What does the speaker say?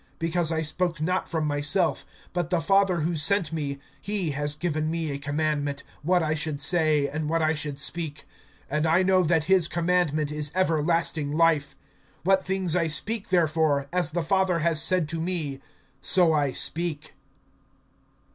(49)Because I spoke not from myself; but the Father who sent me, he has given me a commandment, what I should say, and what I should speak. (50)And I know that his commandment is everlasting life. What things I speak therefore, as the Father has said to me, so I speak.